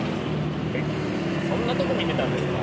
えっそんなとこ見てたんですか？